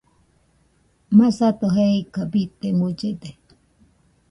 Masato jeika bite mullede.